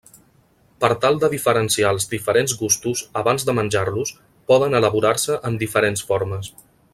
Per tal de diferenciar els diferents gustos abans de menjar-los, poden elaborar-se en diferents formes.